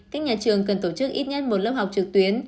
các nhà trường cần tổ chức ít nhất một lớp học trực tuyến